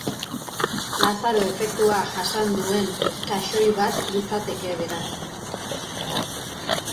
Lazaro efektua jasan duen taxoi bat litzateke, beraz.